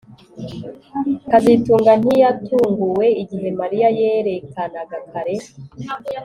kazitunga ntiyatunguwe igihe Mariya yerekanaga kare